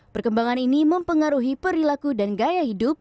perkembangan ini mempengaruhi perilaku dan gaya hidup